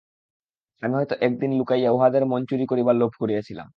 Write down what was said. আমি হয়তো একদিন লুকাইয়া উহাদের মন চুরি করিবার লোভ করিয়াছিলাম।